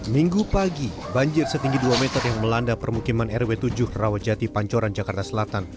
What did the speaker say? minggu pagi banjir setinggi dua meter yang melanda permukiman rw tujuh rawajati pancoran jakarta selatan